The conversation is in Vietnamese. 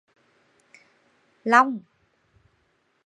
Long